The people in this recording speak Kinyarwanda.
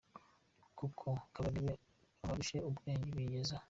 Koko Kabarebe abarushe ubwenge bigeze aha!